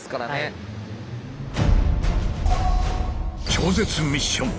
超絶ミッション！